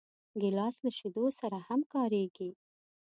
ګیلاس له شیدو سره هم کارېږي.